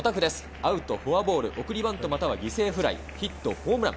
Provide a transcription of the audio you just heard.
アウト、フォアボール、送りバント、または犠牲フライ、ヒット、ホームラン。